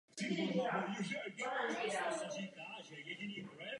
V určité fázi se pak překlopí do jiného stavu.